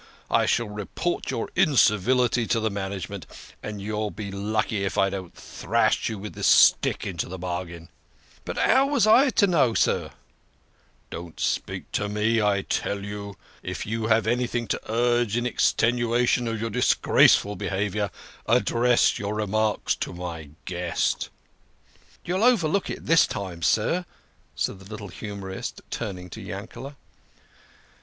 I shall report your incivility to the management, and you'll be lucky if I don't thrash you with this stick into the bargain." " But 'ow vos I to know, sir? " THE KING OF SCHNORRERS. 61 " Don't speak to me, I tell you. If you have anything to urge in extenuation of your disgraceful behaviour, address your remarks to my guest." "You'll overlook it this time, sir," said the little humorist, turning to Yankele.